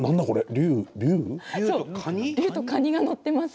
竜とカニが載ってます。